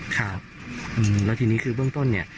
แล้วที่นี้คือเบื้องต้น